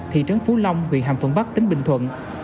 thị trấn phú long huyện hàm thuận bắc tỉnh bình thuận